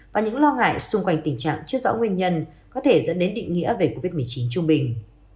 và những lo ngại xung quanh tình trạng chưa rõ nguyên nhân có thể dẫn đến định nghĩa về covid một mươi chín trung bình